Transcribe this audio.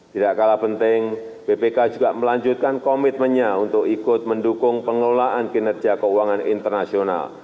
tidak kalah penting bpk juga melanjutkan komitmennya untuk ikut mendukung pengelolaan kinerja keuangan internasional